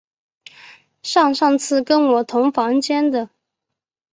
上上次跟我同房间的